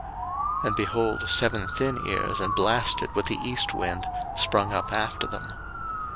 01:041:006 And, behold, seven thin ears and blasted with the east wind sprung up after them.